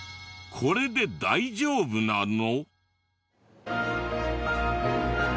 これで大丈夫なの？